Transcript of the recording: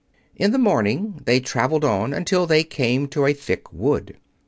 In the morning they traveled on until they came to a thick wood.